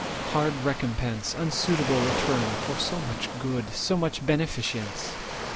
Hard recompense, unsuitable return For so much good, so much beneficience!